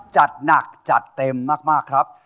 จัดหนักจัดเต็มมากครับ